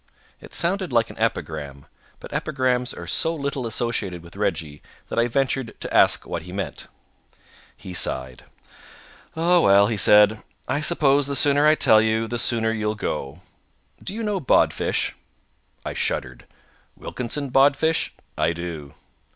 It sounded like an epigram, but epigrams are so little associated with Reggie that I ventured to ask what he meant. He sighed. "Ah well," he said. "I suppose the sooner I tell you, the sooner you'll go. Do you know Bodfish?" I shuddered. "Wilkinson Bodfish? I do."